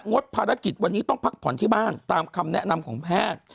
ดภารกิจวันนี้ต้องพักผ่อนที่บ้านตามคำแนะนำของแพทย์